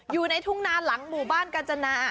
อยู่ในทุ่งนาหลังหมู่บ้านกาญจนา